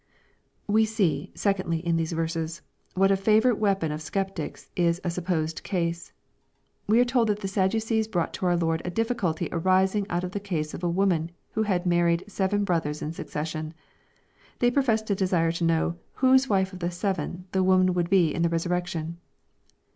We see, secondly, in these verses, what a favorite weapon of sceptics is a supposed case. We are told that the Sadducees brought to our Lord a difficulty arising out of the case of a woman who had married seven brothers in succession. They professed a desire to know " whose wife of the seven" the woman would be in the resurrection.